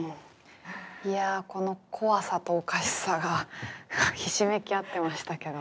いやこの怖さとおかしさがひしめき合ってましたけど。